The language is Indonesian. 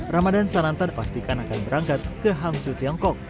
ramadan sananta dipastikan akan berangkat ke hangzhou tiongkok